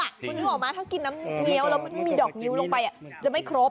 คุณนึกออกไหมถ้ากินน้ำเงี้ยวแล้วมันไม่มีดอกนิ้วลงไปจะไม่ครบ